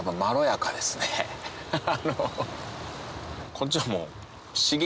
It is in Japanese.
こっちはもう。